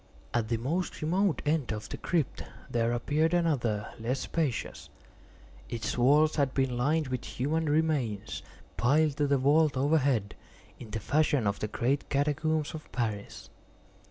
At the most remote end of the crypt there appeared another less spacious. Its walls had been lined with human remains, piled to the vault overhead, in the fashion of the great catacombs of Paris.